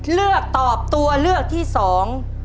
เลือกตอบตัวเลือกที่สอง